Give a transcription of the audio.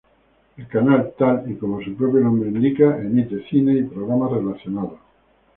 El canal tal y como su propio nombre indica emite cine y programas relacionados.